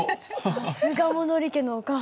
さすが物理家のお母さん。